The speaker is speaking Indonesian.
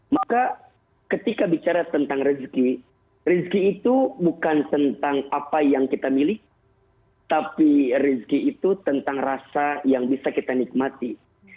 maka ketika bicara tentang rezeki rezeki itu bukan tentang apa yang kita miliki tapi rezeki itu tentang rasa yang bisa kita nikmati